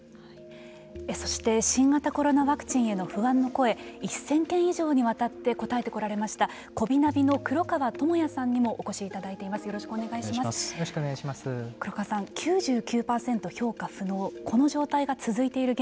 そして新型コロナワクチンへの不安の声１０００件以上にわたって答えてこられましたこびナビの黒川友哉さんにもお越しいただいてます。